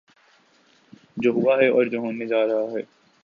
جو ہوا ہے اور جو ہونے جا رہا ہے۔